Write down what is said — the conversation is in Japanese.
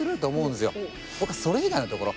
僕はそれ以外のところ。